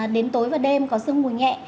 đến tối và đêm có sương mùi nhẹ